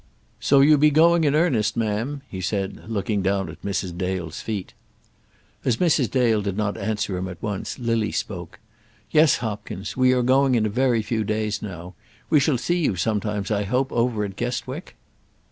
"So you be going in earnest, ma'am," he said, looking down at Mrs. Dale's feet. As Mrs. Dale did not answer him at once, Lily spoke: "Yes, Hopkins, we are going in a very few days, now. We shall see you sometimes, I hope, over at Guestwick."